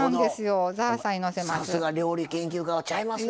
さすが料理研究家はちゃいますな。